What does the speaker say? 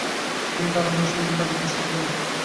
তিনি তা না করে সেখানে এক ত্রাসের রাজত্বের সৃষ্টি করেন।